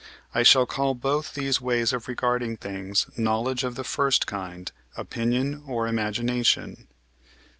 I shall call both these ways of regarding things knowledge of the first kind, opinion, or imagination.